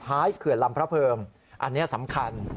เขื่อนลำพระเพิงอันนี้สำคัญ